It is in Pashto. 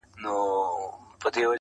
په یوه او بل نامه یې وو بللی!